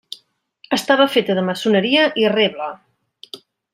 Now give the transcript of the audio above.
Estava feta de maçoneria i reble.